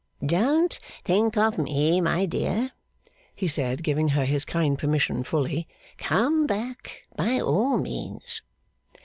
'Don't think of me, my dear,' he said, giving her his kind permission fully. 'Come back by all means.